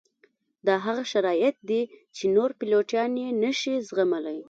دا هغه شرایط دي چې نور پیلوټان یې نه شي زغملی